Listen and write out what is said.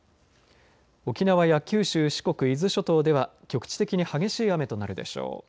沖縄や九州、四国、伊豆諸島では局地的に激しい雨となるでしょう。